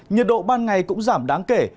nhiệt độ ban ngày cũng giảm đáng kể